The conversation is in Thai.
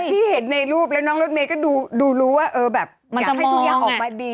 ที่เห็นในรูปแล้วน้องรถเมย์ก็ดูรู้ว่าเออแบบอยากให้ทุกอย่างออกมาดี